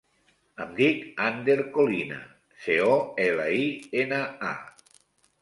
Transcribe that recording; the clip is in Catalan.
Em dic Ander Colina: ce, o, ela, i, ena, a.